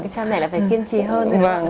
cha mẹ là phải kiên trì hơn